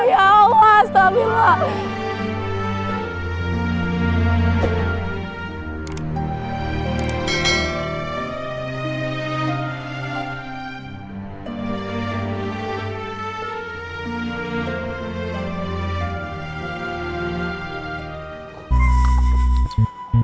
ya allah astagfirullah